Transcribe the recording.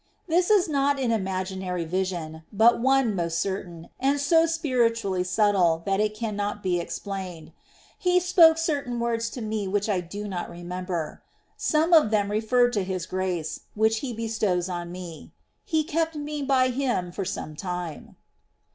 This is not an imaginary vision, but one most certain, and so spiritually subtile that it cannot be explained. He spoke certain words to me which I do not remember. Some of them referred to His grace, which He bestows on me. He kept me by Him for some time.